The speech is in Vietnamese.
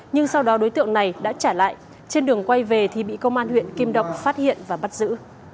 nhưng sau đó đối tượng này đã trả lại trên đường quay về thì bị công an huyện kim động phát hiện và bắt giữ